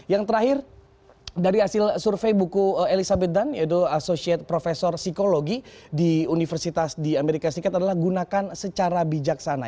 yang terakhir dari hasil survei buku elizabeth dunn yaitu associate profesor psikologi di universitas di amerika serikat adalah gunakan secara bijaksana